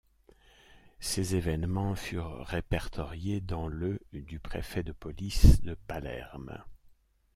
Ces événements furent répertoriés dans le du préfet de police de Palerme.